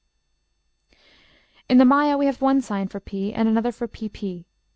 In the Maya we have one sign for p, and another for pp.